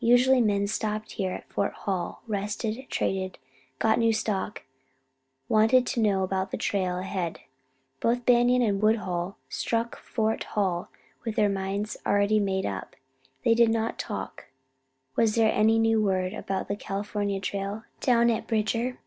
Usually men stopped here at Fort Hall, rested, traded, got new stock, wanted to know about the trail ahead. Both Banion and Woodhull struck Fort Hall with their minds already made up. They did not talk. Was there any new word about the California trail, down at Bridger?